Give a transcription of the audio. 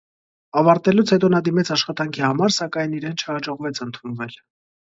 Ավարտելուց հետո նա դիմեց աշխատանքի համար, սակայն իրեն չհաջողվեց ընդունվել։